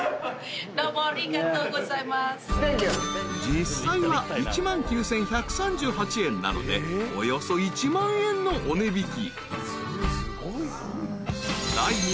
［実際は１万９，１３８円なのでおよそ１万円のお値引き］